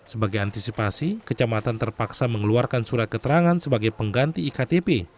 sebagai antisipasi kecamatan terpaksa mengeluarkan surat keterangan sebagai pengganti iktp